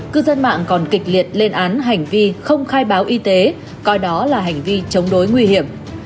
cư dân mạng còn kịch liệt lên án hành vi không khai báo y tế coi đó là hành vi chống đối nguy hiểm